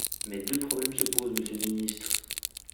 Mais deux problèmes se posent, monsieur le ministre.